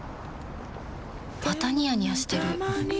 またニヤニヤしてるふふ。